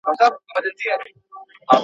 مشوره به هم مني د ګیدړانو `